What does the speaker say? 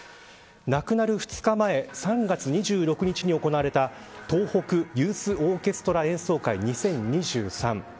亡くなる２日前３月２６日に行われた東北ユースオーケストラ２０２３